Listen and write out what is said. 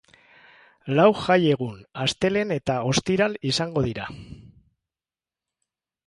Lau jaiegun astelehen eta ostiral izango dira.